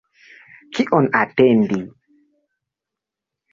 Kion atendi?